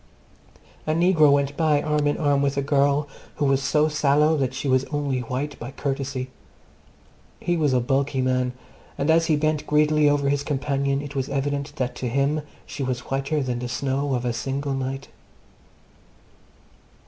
A negro went by arm in arm with a girl who was so sallow that she was only white by courtesy. He was a bulky man, and as he bent greedily over his companion it was evident that to him she was whiter than the snow of a single night.